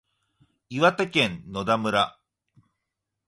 岩手県野田村